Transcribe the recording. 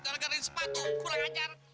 gara garain sepatu kurang ajar